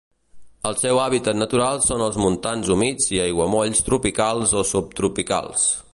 El seu hàbitat natural són els montans humits i aiguamolls tropicals o subtropicals.